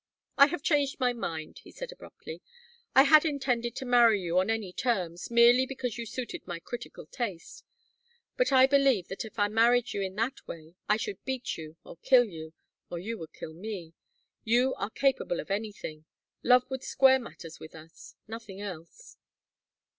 "I have changed my mind," he said, abruptly. "I had intended to marry you on any terms, merely because you suited my critical taste. But I believe that if I married you in that way I should beat you or kill you or you would kill me. You are capable of anything. Love would square matters with us nothing else."